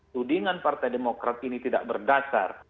tudingan partai demokrat ini tidak berdasar